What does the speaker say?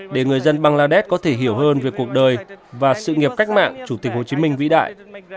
để người dân bangladesh có thể hiểu hơn về cuộc đời và sự nghiệp cách mạng chủ tịch hồ chí minh vĩ đại